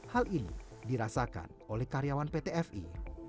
hal ini dirasakan oleh karyawan pt fi